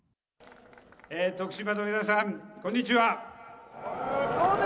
徳島の皆さん、こんにちは。